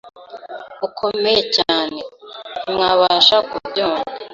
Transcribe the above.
ukomeye cyane, ntimwabasha kubyumva